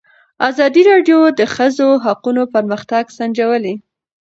ازادي راډیو د د ښځو حقونه پرمختګ سنجولی.